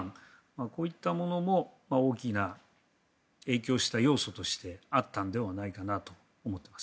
こういったものも大きな影響した要素としてあったのではないかなと思っています。